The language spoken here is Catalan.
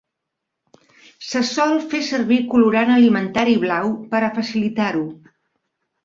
Se sol fer servir colorant alimentari blau per a facilitar-ho.